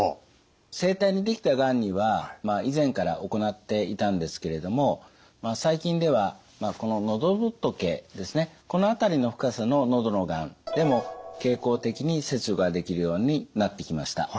声帯にできたがんには以前から行っていたんですけれども最近ではこの喉仏ですねこの辺りの深さの喉のがんでも経口的に切除ができるようになってきました。